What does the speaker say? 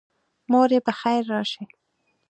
موري پخیر راشي